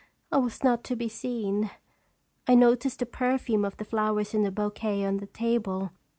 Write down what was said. I was not to be seen. I noticed the perfume of the flowers in the "bouquet on the table.